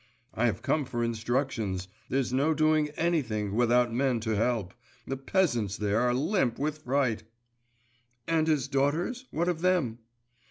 'I have come for instructions. There's no doing anything without men to help. The peasants there are all limp with fright.' 'And his daughters what of them?